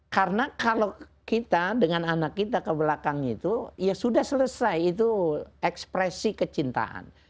karena kalau kita dengan anak kita ke belakang itu ya sudah selesai itu ekspresi kecintaan